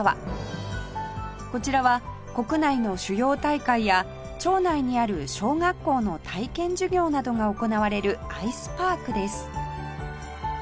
こちらは国内の主要大会や町内にある小学校の体験授業などが行われるアイスパークです